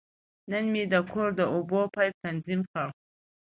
نن مې د کور د اوبو پایپ تنظیم کړ.